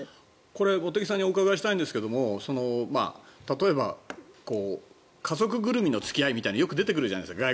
これ、茂木さんにお伺いしたいんですけども例えば、家族ぐるみの付き合いみたいなのよく出てくるじゃないですか。